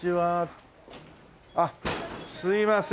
あっすいません。